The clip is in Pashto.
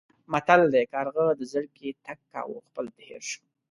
متل دی: کارغه د زرکې تګ کاوه خپل ترې هېر شو.